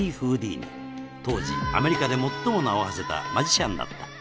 当時アメリカで最も名をはせたマジシャンだった